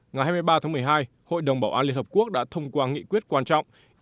ngày hai mươi ba tháng một mươi hai hội đồng bảo an liên hợp quốc đã thông qua nghị quyết quan trọng